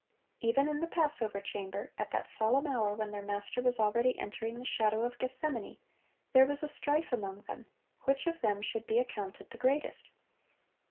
Even in the Passover chamber, at that solemn hour when their Master was already entering the shadow of Gethsemane, there was "a strife among them, which of them should be accounted the greatest."